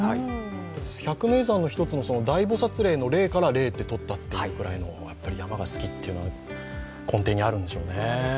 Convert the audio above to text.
百名山の１つの大菩薩嶺の嶺から「嶺」ってとったというぐらいの山が好きというのが根底にあるんでしょうね。